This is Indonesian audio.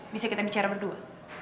bisa kita bicara berdua